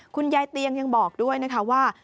คุณยายเตียงยังบอกด้วยนะคะว่า